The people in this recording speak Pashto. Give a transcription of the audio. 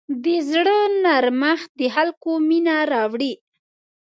د زړه نرمښت د خلکو مینه راوړي.